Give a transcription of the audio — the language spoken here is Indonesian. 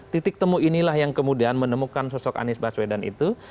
titik temu inilah yang kemudian menemukan sosok anies baswedan itu